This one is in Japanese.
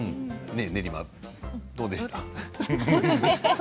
練馬はどうでしたか？